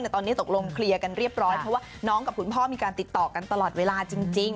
แต่ตอนนี้ตกลงเคลียร์กันเรียบร้อยเพราะว่าน้องกับคุณพ่อมีการติดต่อกันตลอดเวลาจริง